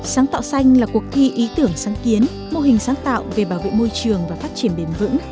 sáng tạo xanh là cuộc thi ý tưởng sáng kiến mô hình sáng tạo về bảo vệ môi trường và phát triển bền vững